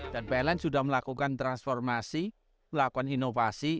dan pln sudah melakukan transformasi melakukan inovasi